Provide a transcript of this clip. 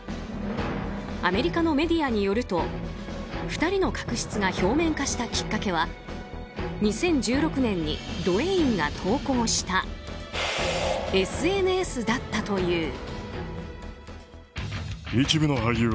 アメリカのメディアによると２人の確執が表面化したきっかけは２０１６年にドウェインが投稿したＳＮＳだったという。